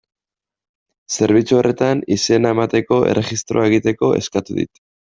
Zerbitzu horretan izena emateko, erregistroa egiteko, eskatu dit.